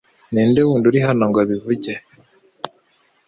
Ninde wundi uri hano ngo abivuge